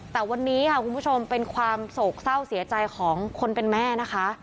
แต่วันนี้ค่ะคุณผู้ชมเป็นความโศกเศร้าเสียใจของคนเป็นแม่นะคะ